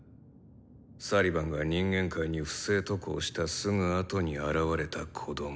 サリバンが人間界に不正渡航したすぐあとに現れた子供。